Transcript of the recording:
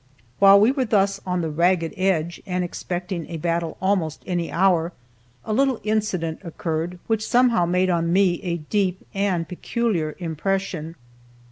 While we were thus on the ragged edge, and expecting a battle almost any hour, a little incident occurred which somehow made on me a deep and peculiar impression.